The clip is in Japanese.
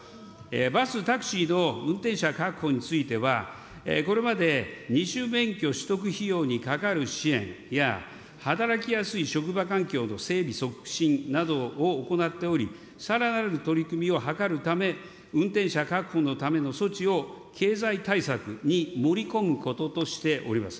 バス・タクシーの運転者確保については、これまで二種免許取得費用にかかる支援や、働きやすい職場環境の整備促進などを行っており、さらなる取り組みを図るため、運転者確保のための措置を経済対策に盛り込むこととしております。